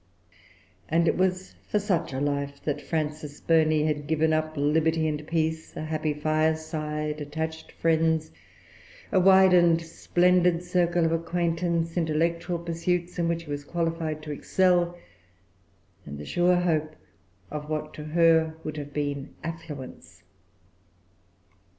And it was for such a life that Frances Burney had given up liberty and peace, a happy fireside, attached friends, a wide and splendid circle of acquaintance, intellectual pursuits in which she was qualified to excel, and the sure hope of what to her would have been affluence.